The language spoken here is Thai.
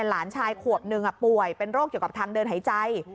หลานชายขวบหนึ่งป่วยเป็นโรคเกี่ยวกับทางเดินหายใจ